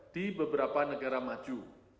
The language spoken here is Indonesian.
di beberapa negara maju